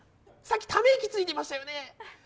さっき溜息ついてましたよね。